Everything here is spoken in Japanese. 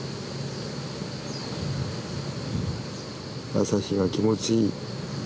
朝日が気持ちいい。